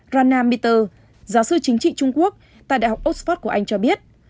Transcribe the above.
rana mitter giáo sư chính trị trung quốc tại đại học oxford của anh cho biết